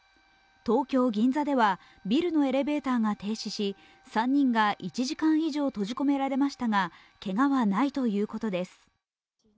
東京・銀座ではビルのエレベーターが停止し、３人が１時間以上閉じ込められましたが、けがはないということです。